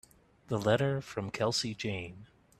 The letter from Kelsey Jane.